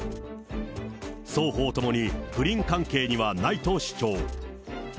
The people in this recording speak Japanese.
双方ともに不倫関係にはないと主張。